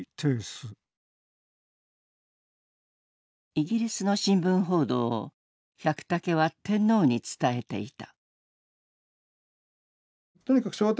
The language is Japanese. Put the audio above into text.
イギリスの新聞報道を百武は天皇に伝えていた。